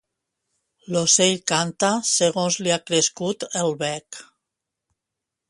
L'ocell canta segons li ha crescut el bec.